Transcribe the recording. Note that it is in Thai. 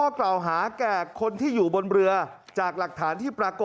แล้วเราอยากจะให้มันดีขึ้นเราต้องทำอย่างไร